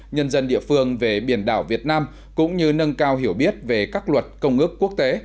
nhân dân địa phương về biển đảo việt nam cũng như nâng cao hiểu biết về các luật công ước quốc tế